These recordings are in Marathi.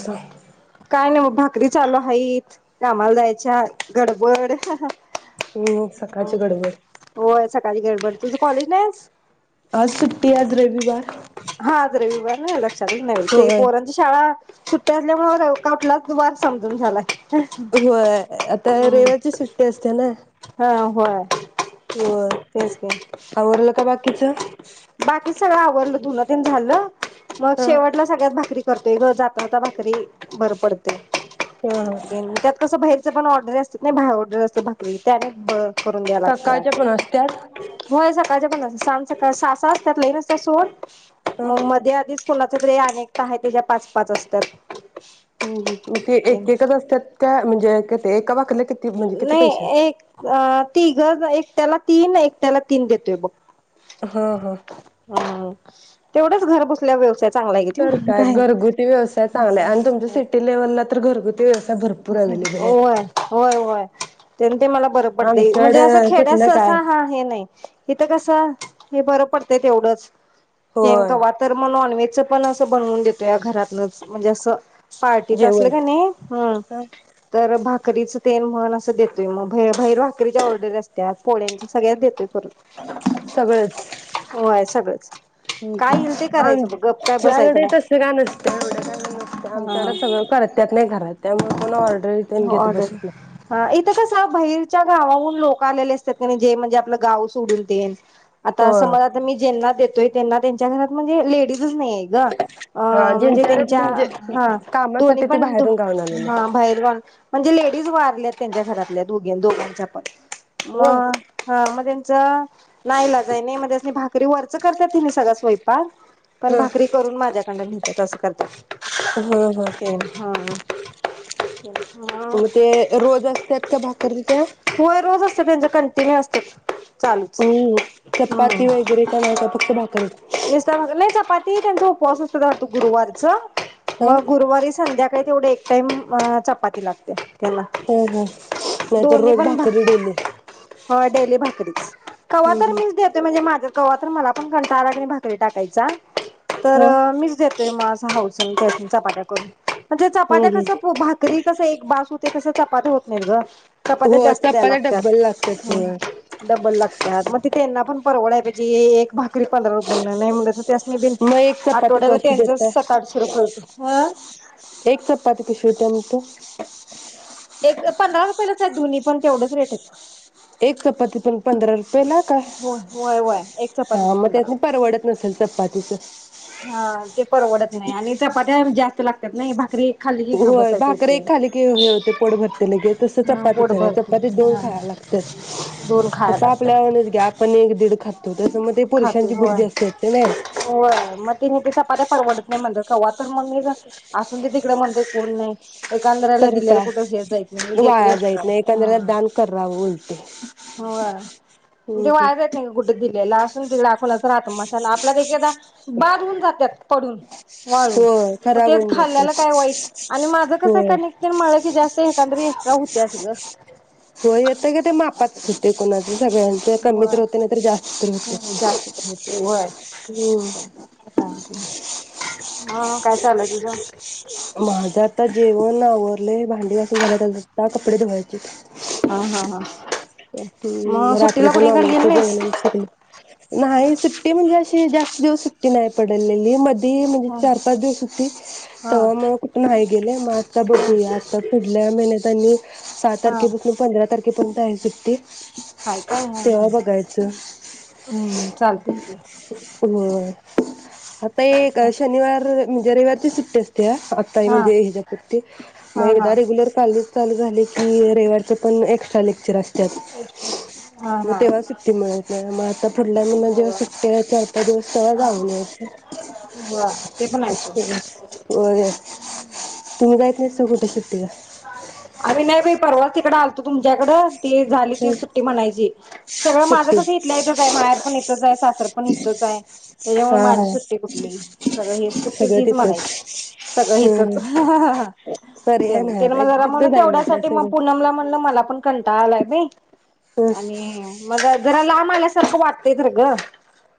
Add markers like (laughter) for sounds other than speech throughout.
हम्म काय नाही मग भा भाकरी चालू आहेत कामाला जायच्या गडबड हा सकाळची गडबड हो गडबड तुझ कॉलेज नाही? आज. आज सुट्टी, आज रविवार. हा आज रविवार हा तरी म्हणते होय पोरांची शाळा सुट्टी असल्यामुळे काटलाच वार समजना झालाय. होय, आता रेवाची सुट्टी असते ना, हा होय, हो तेच की आवरल का बाकी तिचं बाकी सगळं आवरलं धुन तेन झालं मग ह शेवटला सगळ्यात भाकरी करतोय ग जाता, जाता भाकरी बर पडतय. ह त्यात कसं बाहेर भाकरी पण ऑर्डर असतात. करून द्याय सकाळच्या लागत्यात. पण असत्यात होय सकाळच्या पण सांजसकाळ साहा सहा असत्यात लई नस्त्यात सोड ह मग हम्म मध्ये आधीच कुनाच तरी आणि एकटा हाय त्याच्या पाच पाच असत्यात. हं ह ते एकेकच असत्यात काय म्हणजे अ ते एका भाकलित नाही एक अ तिघ एक त्याला तीन एकट्याला तीन देतोय बघ. ह ह (inaudible) घर बसल्या व्यवसाय चांगला आहे तर किती काय घरगुती व्यवसाय चांगला आणि तुमच्या सिटी लेवलला तर घरगुती व्यवसाय भरपूर अवलेबल आहेत. व्हय तर ते मला बरं पडतंय म्हणजे आमच्याकडे असं खेड्यात कुठलं काय सहसा हा हे नाही इथ कस हे बरं पडतंय. ते तेवढंच ते आणि होय कवातर नॉनव्हेजच पण असं बनवून देतोय घरातनंच म्हणजे असं. पार्टीच असलं जेवण का नाही ह तर भात कधीच? तेन म्हण असं देतोय मग भाइर भाकरीच्या ऑर्डरी असत्यात पोळ्यांच्या सगळ्यात देतोय. करून सगळंच होय सगळंच काय येईल ते हम करायचं बघ गप काय बसायचं आमच्याकडे तस नाही काय नसतं एवढं काय नसतं आमच्याकडे हा सगळं कर त्यात नाय घरात त्यामुळे म्हणू ऑर्डर तेन हो घेत ऑर्डर बसत नाही. हा इथं कसं बाहेरच्या गावावरून लोक आलेले असत्यात जे म्हणजे आपलं गाव सोडून तेन आता होय समज आता मी जेंना देत तरी त्यांना त्यांच्या घरात म्हणजे लेडीज तसं नाहीये गं हा म्हणजे ज्यांच्याकडे तेंच्या म्हणजे हा कामासाठी ते दोन्हीपण बाहेरून गावावरून आलेले हा बाहेर गावी म्हणजे लेडीज वारल्यात त्यांच्या घरातल्या दोघे दोघांच्या पण होय मग हा मग त्यांच ना इलाज आहे नी मग त्यांचं भाकरी वर च तस् करत्यात तिने सगळा स्वयंपाक पण भाकरी ह करून माझ्याकडून न्हेत्या ते तस करतात. ह ह हो हा हा ब (unintelligible) मग ते रोज असत्यात का भाकरी त्या होय रोज असतं त्यांचं कंटिन्यू असतात. हुं चपाती वगैरे का नाही का फक्त भाकरी. ते त्यांचा उपवास असतो गुरुवारचा ह मग गुरुवारी संध्या ते तेवढं एक टाईम म चपा पाठी लागते. त्यांना. हो हो नाहीतर रोज भाकरी डेली. हा डेली भाकरीच. कव्हा हम्म तरी हम्म मीच देते म्हणजे माझं. कव्हा तर मला पण कंटाळा आला की नई भाकरी टाकायचा. तर ह मीच देतोय मास. हो सांग त्यास्नी चपात्या करू म्हणजे हम्म चपात्या हम्म कसा पो भात कस एक बास हूते कस. चपात्या होत नाहीत ग. कपात्या होय जास्त द्यायला चपात्या डब्बल लागत्यात हू होय डबल लागत्याय मग ति त्यांना पण परवडा पेक्षा ए एक भाकरी पंधरा रुपयाला नाही म्हणलं तर. त्यासनी बिन मग एक चपाती, आठवड्याला कशी त्यांचं देताय सात आठशे रुपये होतंय हं. एक चपाती कशी देतेया मंग तू एक पंधरा रुपयलाच आहे धुनी पण तेवढंच रेट येत एक चपाती पण पंधरा पेला का होय होय होय एक हा चपातीची मग पंधरा. त्यासनी परवडत नसेल चपातीच. (inaudible) हा ते परवडत नाही आणि चपात्या जास्त लागत्यात नही भाकरी. खाल्ली की गप होय बसायचं भाकर होतंय. एक खाली की हे ते पोट भरते ल गे तस हा पोट चपातीच नाही चपातीत भरते दोन हा खाया लागत्यात दोन खाया फक्त लागतात आपल्या वाणीच घ्या आपण एक दीड खात. तसं म ते खाते पुरुषांची होय. बुदी असत ते ने होय मग तिने ते चपात्या परवडत नाही म्हणज कवाच. तर मग मी जा असून ते तिकडे म्हणत कोण नाही. एकाधराला तर दिलेला कुठे काय हेच जायच नाही मी देतो ह वाया जायत नाही एखाद्याला दान करावं उलटे हम्म जेवा हम्म नाही कुठे दिली. गेला स. लाखवूनच राहत मसाला आपल्याला एकदा. बाद होऊन जातात पडून वाळून होय मग खराब तेच होऊन खाल्ल्याला जातात काय वाईट आणि माझं कस होय कनिक तीन मळलकी जास्त एखाद्री एक्स्ट्रा होत्याच ग. होय येतं का ते अस मापात होते कोणाचं सगळ्यांचं कमी तर व्हय होते नाही तर जास्त तर का हो होते जास्त तर होते व्हाय. हम्म सारथी हा काय चालय तुझ. माझं आता जेवण आवंर लय भांडी घासून झालेत आता कपडे धुवाय हा हा हा मग हूं सुट्टीला रात्रीच कुणीकडे गेली नॉनव्हेजच नाहीस जेवण शिकले नाही सुट्टी म्हणजे अशी जास् देव सुट्टी नाही पडललेली म नाही म्हणजे हा चार पाच दिवस सुट्टी हा तवा मग कुठ नाही गेले मग आता बघूया आता पुढल्या महिन्यात आणि सहा हा तारखेपासन पंधरा तार कितपर्यंत आहे सुट्टी काय काय हा हा तेव्हा बघायचं हम्म चालतय की होय. आता एक शनिवार म्हणजे रयवार ची सुट्टी अस त्या आत्ताई हा म्हणजे ह्याच्यापती मग हा हा एकदा रेग्युलर चालु चालू झाले की रयवारच्या पण एक्स्ट्रा लेक्चर हा असत्यात म हा तेव्हा सुट्टी मिळत नाय म आता पुढल्या महिन्यात जेव्हा सुट्टी आहे चार पाच चला जाऊन येऊ वा ते पण आहे सोड फिरून होय होय. तुम्ही जाईत नसताय कुठ सुट्टीला तु तुमच्याकड ती झाली की सुट्टी म्हणायची सगळं माझं सुट्टी कसं इथल्या इथच आहे माहेर पण इथच आहे सासर पण इथंच हाय त्याच्यामुळ हा माझी हा सुट्टी कुठली सगळ हेच सुट्टीच सगळं हीच तिथंच म्हणायची सगळं हीथच हम्म पर्याय नाही तेनी म आता जरा म तिथंच आहे म्हटलं तेवढ्यासाठी म सगळं पुनमला म्हणलं मला पण कंटाळा आलाय बय आणि मग जरा लाब मलासारखं वाटतय धर ग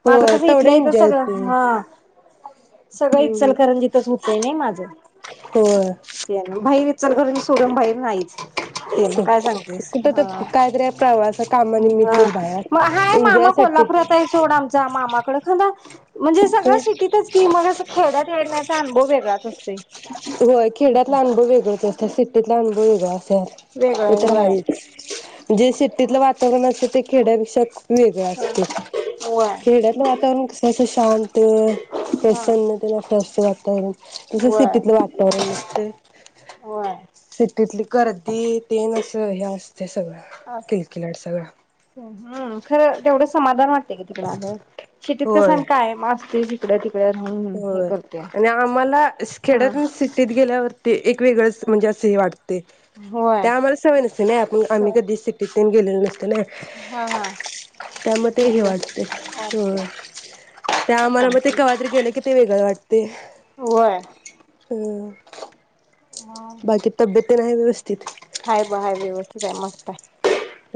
माझ हो कसं तेवढं इथल्या इथच एन्जॉय सगळं होतंय हा सगळ हम्म इचलकरंजीतच होतय नय माझं होय भाई विचार करनं सोडन भाई (unintelligible) कुठ तर हा कायतरी प्रवास कामानिमित्तच मग हाय बाहेर मामा एन्जॉय साठी कोल्हापुरात आहे सोड आमचा मामाकड खंदा म्हणजे सगळं सिटीतच की मग असं खेड्यात येण्याचा अनुभव वेगळाच असतोय होय असा खेड्यातला अनुभव वेगळच असतोय सिटीतला अनु होय का वेगळा ते आहे तर व्हय हायचं जे शेतीतल वातावरण अस ते खेड्या विषयक वेगळं असते व्हय खेड्यातलं वातावरण कस असं शांत ते (inaudible) हा प्रसन्न ते मस्त वाटतं ते हो तस व्हय सिटीतलं वातावरण असते व्हय (inaudible) सिटीतली गर्दीत तेनस हे असते सगळं किलकिलाड सगळा तेवढ समाधान वाटते तिकड आल्या वर सिटीत कस आकाय मा ती जिकड तीति हो आणि आम्हाला हा खेड्यात सिटीत गेल्यावरती एक वेगळच असं हे वाटते ते होय आम्हाला सवय न स आम्ही कधी हा सिटीत गेलेलं अस हा त्या म ते तेच हे की वाटते (inaudible) ते आम्हाला मग ओके कवातरी गेल की ते वेगळं वाटतय होय (inaudible) हम्म बाकी तब्येत तेन आहे व्यवस्थित हाय ब हाय व्यवस्थित (unintelligible)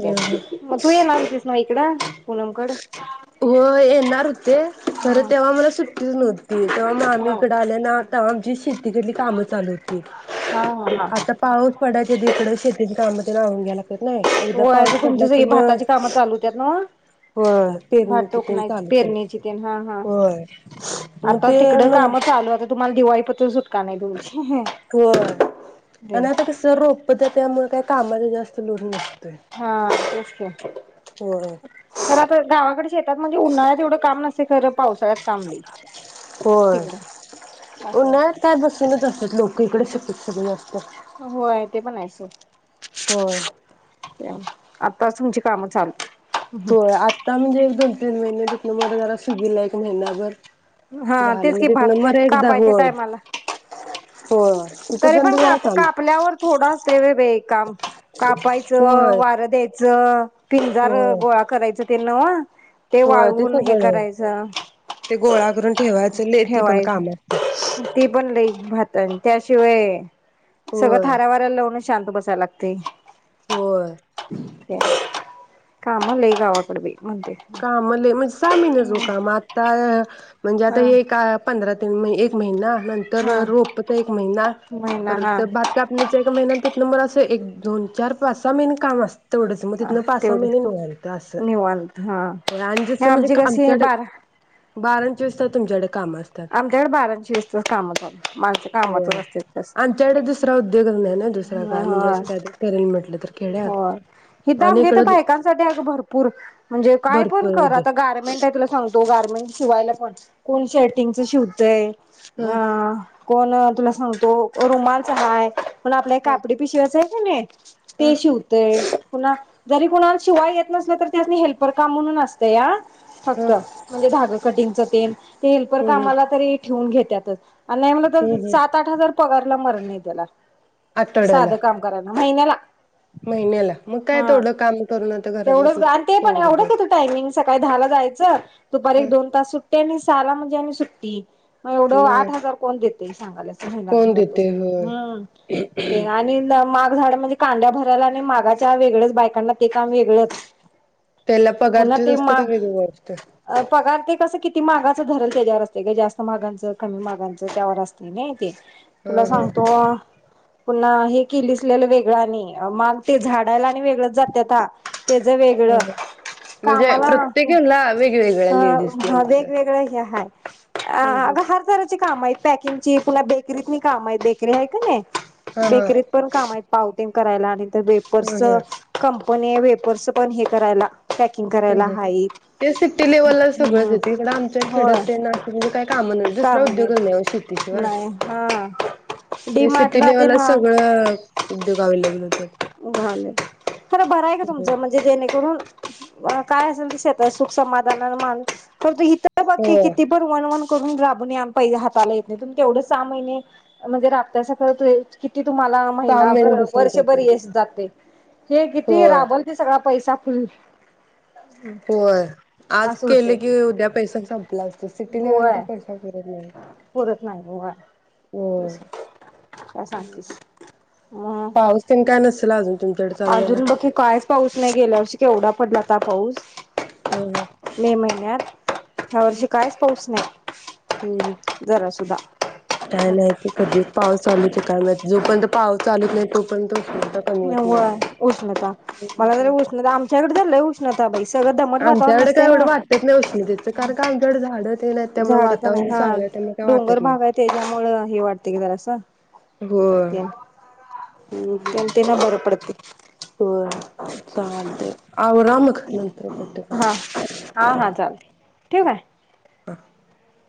ह ह. तू येणार होतीस ना ये इकड पूनम कड हो येणार होते हा खर तेव्हा मला सुट्टीच नव्हती तेव्हा मामी हा इकड आले ना तवा (unintelligible) तिकडची काम चालू होती हा हा आता पाऊस पडायच्या दिस तिकडे शेतीत काम तेन आवरून घ्यायला लागतात ना (inaudible) एकदा होय पाऊस तुमच पडला सगळी की मग भाताची कामं चालू होत्याच नव्ह होय भात पेरणीची तेन टोकण्याची चालूच आहेत पेरणीची तेन हा हा होय मग आता ते तिकडं न कामं चालू आता तुम्हाला दिवाळीपतूर सु होय आणि आता कस रोपं त्यात त्या कामाचा जास्त लोड नसतोय हा तेच ते होय खर तर गावाकडे शेतात म्हणजे उन्हाळ्यात एवढं काम नसत कडे पाऊस होय असं उन्हाळ्यात काय असं बसूनच न असत्यात लोक इकडे श (unintelligible) होय ते पण आहेस होय सोड आताच तुमची कामं चालू (inaudible) होय आत्ता म्हणजे एक दोन तीन तीन महिने तिथन मोहरं जरा सुगीला एक महिनाभर हा झालं तेच की भात म्हणजे (unintelligible) एकदा कापायच्या होय टायमाला होय तिथं तरी पण बंद जरा काप काम कापल्यावर थोडा अस ते बे काम कापायचं होय वारं द्यायचं च पिंजार गोळा करायच (inaudible) ते नव हो ते सगळं ते गोळा करून ठेवायचं लय त पण ठेवायचं काम असते त्यांन त्यास्नी (unintelligible) सगळं होय थाऱ्यावऱ्याला लावूनच शांत बसायला लागतय होय कामं लय गावाकड बाई म्हणते काम लय म्हणजे सामीन जो काम आता म्हणजे आता हा हे एका पंधरा तीन म महिना नंतर हा रोप एक महिना महिना परत हा भात कापणीचा एक महिना आणी त्या नंबर असं एक दोन चार पाचसा महिने काम असत तेवढंच काम तिथन पासा सहा तेवढे महिने निघलत असं निवांत हा होय आन हे दिस म्हणजे आमची कशी आहे आमच्या बारा बा कारण चोवीस तास तुच्याकडे काम असतात आमच्याकडे बाराशे वीसच काम चालू माणसं कामातच होय असतात जास्त. आमच्याकडे दुसरा उद्योग नाही ना दुसरा काय म्हणजे अस काय करेल म्हटलं तर खेड्यात हो हिथ आणि आमे इथ इकडं बायकांसाठी आहे भरपूर म्हणजे काय पण भरपूर कर उद्योग आता गारमेंट आहे तुला सग दो गार्मेंट शिवायला पण कोण शेर्टिंग चं शिवतय ह कोण तुला सांगतो रुमाणच हाय पण आपल्या एक ह कापडी पिशवाच आहे कणी ह ते शिवतेय पुन्हा जरी कुणाला शिवाय येत नसल तर त्यातनी हेल्पर काम म्हणून असतें या ह फक्त म्हणजे धागं कटिंगच तेल ते हेल्पर ह कामाला तरी ठेवून घेत त्यातच आणि नाही म्हलं ह तर ह सात आठ हजार पगारला मर (unintelligible) आठवड्याला साधं काम कराय महिन्याला महिन्याला मग काय हा तेवढं काम करून आता घरात तेवढंच बसून ग आणि ते पण तेवढं एवढं कुठलं का तू टायमिंग सकाळी दहा ला जायच दुपारी एक ह दोन तास सुट्टी आणि साला म्हणजे आणि सुट्टी मग आठ हजार कोण देत तेच सांगालोय. मला कोण घरात देते बसून होय हम्म ते राणीला माग झाडामध्ये कांद्याभर चलाने मागच्या वेगळच बायकांना ते काम वेगळंच त्याल पगार पुन्हा त्योच ते असतोय का माग कमी पडतोय. अ पगार ते कसं किती मागाचं धरल त्याच्यावर असते का जास्त मागांचं कमी मागांचं त्यावर असते नाही ते. हा तुला हा सांगतो. पुन्हा हे किलीसल्यालं वेगळं आणि मग ते झाडायला आणि वेगळंच जात्याता त्याच ह वेगळं ह म्हणजे कामाला प्रत्येक ह्याला वेगवेगळ्या लेडीज ते अ हम्म वेगवेगळं हे हाय हा हा हम्म अगं हात धरायची काम आहे पॅकिंग ची पुन्हा बेकरीतली काम आहे बेकरी आहे की नाही हा हा बेकरीत पण काम आहेत पावते करायला आणि हम्म हम्म वेपर्सचं कम पण हे वेपर्सचं पण हे करायला. पॅकिंग ह करायला ह ते सिटी लेव्हलला सगळंच हाईत येत इकडं आमच्या होय खेड्यात ना अ म्हणजे काही काम दुसरा उद्योग सामान्यत नाही शेतीशिवाय नाही हा डी ते सिटी मार्टला ते लेव्हलला सगळं उद्योग अव्हेलेबल होत. झालं खरं बर आहे का तुमचं म्हणजे जेणेकरून काय असेल त शेत सुख समाधान माणूस फक्त हि बाकी हो किती पण वन वन करून राबून या पहिल्या हाताला तेवढे सहा महिने म्हणजे, राबतयासा कळतंय. की तुम्हाला सहा महिने महिनाभर बसून वर्षभर करते ये जातय हे किती होय राबल ते सगळं आप पैसा फुल होय, आज असं होते. केले की उद्या पैसा संपला अस. सिटी लेवलचा होय पैसा पुरत नाही. पुरत नाही बुवा. ओय अं सांगतेस हं, पाऊस तेन काय नसेल आजून तु आजून बग की कायच पाऊस नाही. गेल्या वर्षी केवढा पडला होता पाऊस, ह ह. मे महिन्यात. ह्या वर्षी कायच पाऊस नाही. हम्-हम्, जरा सुद्धा काय नाही ते कधी पाऊस चालूतय काय माहित, जोपर्यंत पाऊस चालत नाही तोपर्यंत उष्णता कमी म् येत नाही. व्हय उष्णता मला जरा उष्णता आमच्याकडे तर लई उष् लता बाईस आमच्याकडे काय एवढं वाटत नाही उष्णितेचं कारण का आमच्याकडे झाडं तेन आहेत त्यामुळे झाडे त नाही वातावरण चांगलं हं, आहे त्यामुळे काय डोंगर वाटत नाही भाग आय तेज्यामुळं हे वाटतय गं जरासं. होय. तेण तेनं बरं पड- (inaudible) वहय चालतंय, आवरा मग नंत् हां, हां-हां चालतंय. ठेऊ काय? (unintelligible)